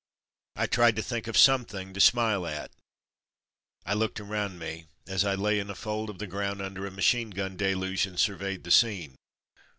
I tried to think of something to smile at. I looked around me as I lay in a fold of the ground under a machine gun deluge, and sur veyed the scene.